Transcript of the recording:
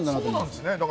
そうなんですね。